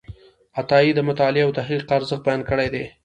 عطایي د مطالعې او تحقیق ارزښت بیان کړی دی.